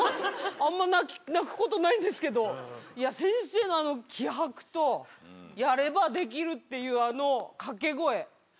あんま泣くことないんですけどいや先生のあの気迫と「やればできる」っていうあの掛け声。